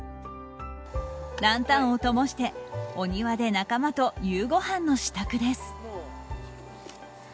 ランタンをともしてお庭で仲間と夕ごはんの支度です。